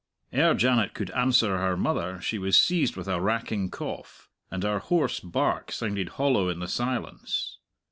Ere Janet could answer her mother she was seized with a racking cough, and her hoarse bark sounded hollow in the silence.